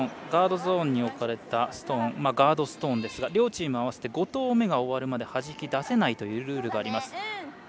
ガードゾーンに置かれたストーンガードストーンですが両チーム合わせて５投目が終わるまではじき出せないというルールがあります。